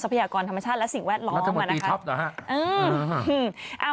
ทรัพยากรธรรมชาติและสิ่งแวดล้อม